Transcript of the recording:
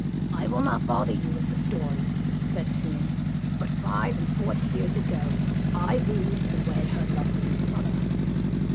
"I will not bother you with the story," said Tomb, "but five and forty years ago I wooed and wed her lovely mother.